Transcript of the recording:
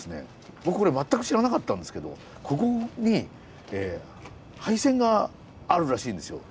僕これ全く知らなかったんですけどここに廃線があるらしいんですよ。